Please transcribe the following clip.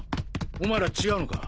お前ら違うのか？